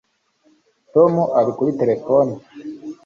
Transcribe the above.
tom ari kuri terefone